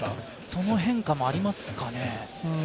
その変化もありますかね。